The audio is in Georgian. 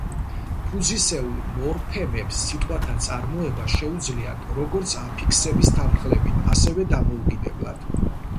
ფუძისეულ მორფემებს სიტყვათა წარმოება შეუძლიათ როგორც აფიქსების თანხლებით, ასევე დამოუკიდებლად.